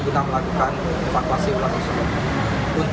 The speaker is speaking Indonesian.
guna melakukan evakuasi ular tersebut